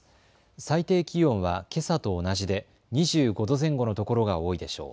最低気温はけさと同じで２５度前後の所が多いでしょう。